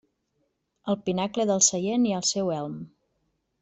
Al pinacle del seient hi ha el seu elm.